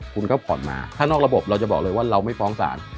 คุณก็ผ่อนมาถ้านอกระบบเราจะบอกเลยว่าเราไม่ฟ้องศาล